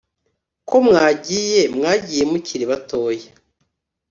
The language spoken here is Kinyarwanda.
ko mwagiye, mwagiye mukiri batoya